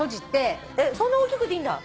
そんな大きくていいんだ？